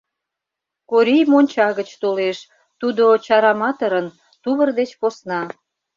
Корий монча гыч толеш: тудо чараматырын — тувыр деч посна.